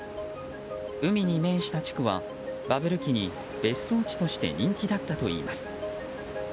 海に面した地区はバブル期に、別荘地として人気だったといいます。